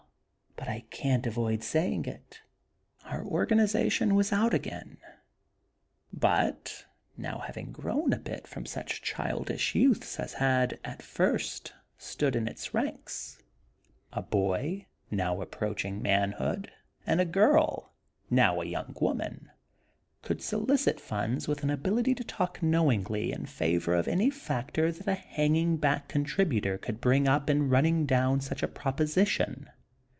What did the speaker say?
But I can't avoid saying it!) our Organization was out again; but, now having grown a bit from such childish youths as had, at first stood in its ranks, a boy, now approaching manhood, and a girl, now a young woman, could solicit funds with an ability to talk knowingly in favor of any factor that a hanging back contributor could bring up in running down such a proposition.